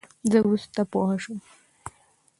زه ورورسته پوشوم.